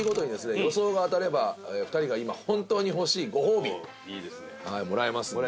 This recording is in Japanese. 予想が当たれば２人が今本当に欲しいご褒美もらえますので。